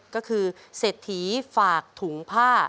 ก็คือเศรษฐีฝากถุงผ้า